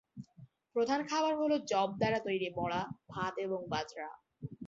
প্রধান খাবার হলো যব দ্বারা তৈরি বড়া, ভাত এবং বাজরা।